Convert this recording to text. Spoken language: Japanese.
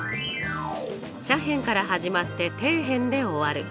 斜辺から始まって底辺で終わる。